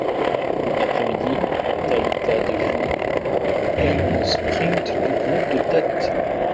L'après-midi, Thalita de Jong gagne le sprint du groupe de tête.